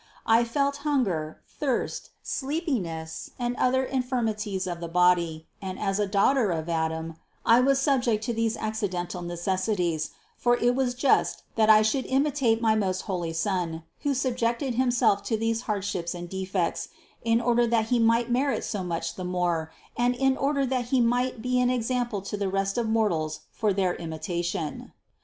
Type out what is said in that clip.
I felt hunger, thirst, sleepiness and other infirm ities of the body, and as a daughter of Adam I was sub ject to these accidental necessities; for it was just that I should imitate my most holy Son, who subjected Him self to these hardships and defects, in order that He might merit so much the more and in order that He might be an example to the rest of mortals for their imi tation.